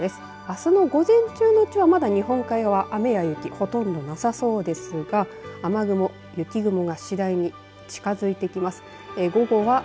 あすの午前中のうちはまだ日本海側雨や雪、ほとんどなさそうですが雨雲、雪雲が次第に近づいてきます。